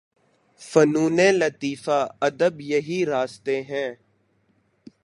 فنون لطیفہ، ادب یہی راستے ہیں۔